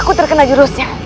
kata terkenal di rusia